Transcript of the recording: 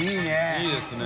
いいですね。